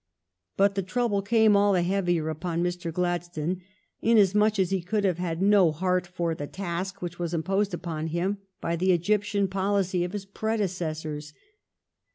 But the trouble came all the heavier upon Mr. Glad stone inasmuch as he could have had no heart for the task which was imposed upon him by the Egyptian policy of his predecessors.